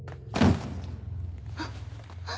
あっ。